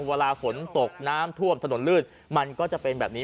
เวลาฝนตกน้ำท่วมถนนลื่นมันก็จะเป็นแบบนี้